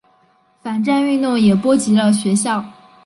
反战运动也波及了学校。